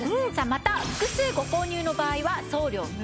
また複数ご購入の場合は送料無料です。